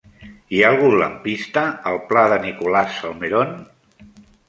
Hi ha algun lampista al pla de Nicolás Salmerón?